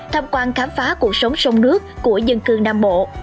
tham quan khám phá cuộc sống sông nước của dân cư nam bộ